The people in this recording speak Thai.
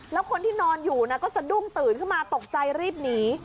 แล้วคนที่นอนอยู่ก็สะดุ้งตื่นขึ้นมาตกใจรีบหนี